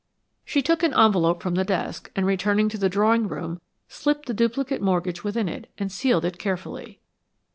She took an envelope from the desk and returning to the drawing room slipped the duplicate mortgage within it and sealed it carefully.